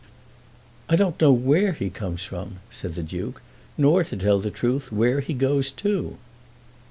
"I don't know where he comes from," said the Duke, "nor, to tell the truth, where he goes to."